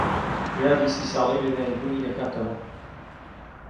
یادی سی ساڵەی لەدایکبوونی دەکاتەوە.